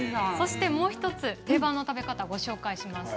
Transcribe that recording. もう１つ定番の食べ方をご紹介します。